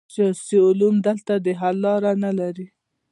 سیاسي علوم دلته د حل لاره نلري.